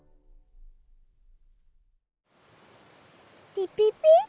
ピピピ。